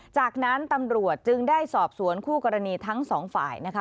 จากนั้นตำรวจจึงได้สอบสวนคู่กรณีทั้งสองฝ่ายนะคะ